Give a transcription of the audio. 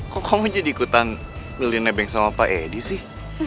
kok kamu jadi ikutan millenna bank sama pak edi sih